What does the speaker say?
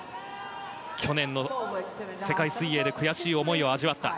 去年の世界水泳で悔しい思いを味わった。